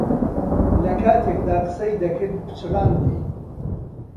لەکاتێکدا قسەی دەکرد پچڕاندی.